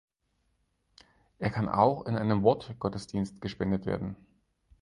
Er kann auch in einem Wortgottesdienst gespendet werden.